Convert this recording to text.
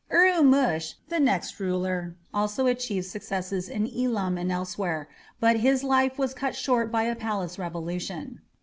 Urumush, the next ruler, also achieved successes in Elam and elsewhere, but his life was cut short by a palace revolution.